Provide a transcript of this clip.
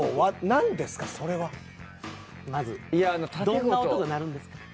どんな音が鳴るんですか？